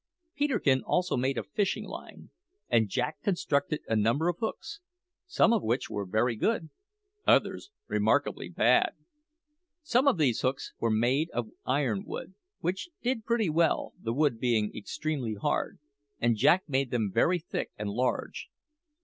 Peterkin also made a fishing line; and Jack constructed a number of hooks, some of which were very good, others remarkably bad. Some of these hooks were made of iron wood which did pretty well, the wood being extremely hard and Jack made them very thick and large.